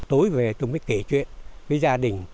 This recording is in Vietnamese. tối về tôi mới kể chuyện với gia đình